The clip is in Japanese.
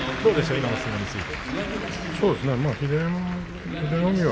今の相撲については。